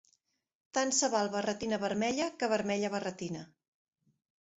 Tant se val barretina vermella que vermella barretina.